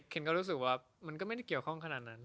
คนก็รู้สึกว่ามันก็ไม่ได้เกี่ยวข้องขนาดนั้น